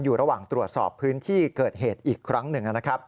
อยู่ระหว่างตรวจสอบพื้นที่เกิดเหตุอีกครั้งหนึ่งนะครับ